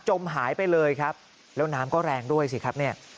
จมหายไปเลยครับแล้วน้ำก็แรงด้วยสิครับเนี่ย